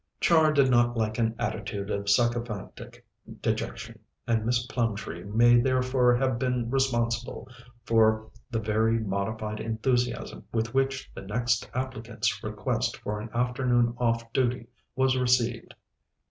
Char did not like an attitude of sycophantic dejection, and Miss Plumtree may therefore have been responsible for the very modified enthusiasm with which the next applicant's request for an afternoon off duty was received.